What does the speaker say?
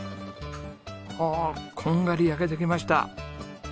おおこんがり焼けてきました。